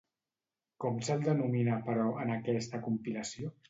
Com se'l denomina, però, en aquesta compilació?